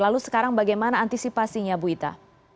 lalu sekarang bagaimana antisipasinya bu ita